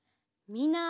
みんな。